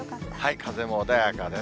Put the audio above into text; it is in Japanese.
風も穏やかです。